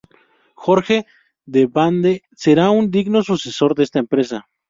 Jorge de Bande será un digno sucesor en esta empresa.